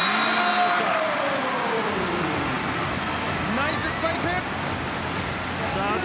ナイススパイク。